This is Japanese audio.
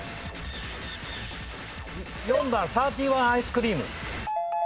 ４番サーティワンアイスクリーム。